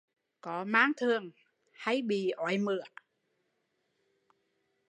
Có mang thường hay bị ói mửa